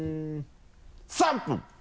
３分！